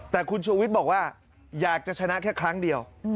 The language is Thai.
แต่คุณชูวิทย์บอกว่าอยากจะชนะแค่ครั้งเดียว